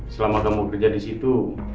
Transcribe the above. selama kamu kerja disitu